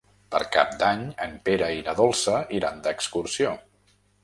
Per Cap d'Any en Pere i na Dolça iran d'excursió.